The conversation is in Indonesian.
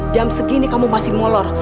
jam segini kamu masih molor